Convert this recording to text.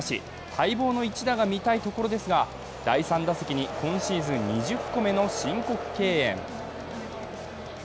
待望の一打が見たいところですが第３打席に今シーズン２０個目の申告敬遠。